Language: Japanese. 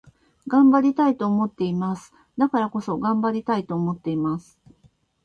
頑張りたいと思っています。だからこそ、頑張りたいと思っています。